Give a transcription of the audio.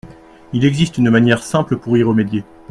Il existe une manière simple pour y remédier.